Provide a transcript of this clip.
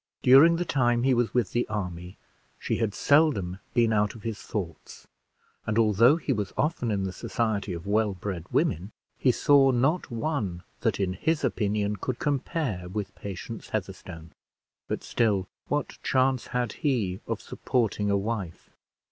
During the time he was with the army, she had seldom been out of his thoughts; and although he was often in the society of well bred women, he saw not one that, in his opinion, could compare with Patience Heatherstone; but still, what chance had he of supporting a wife?